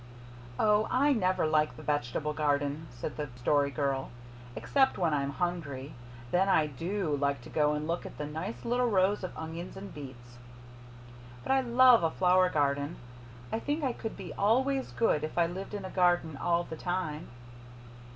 "Oh, I never like the vegetable garden," said the Story Girl. "Except when I am hungry. Then I DO like to go and look at the nice little rows of onions and beets. But I love a flower garden. I think I could be always good if I lived in a garden all the time."